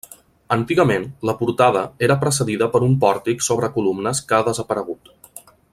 Antigament, la portada era precedida per un pòrtic sobre columnes que ha desaparegut.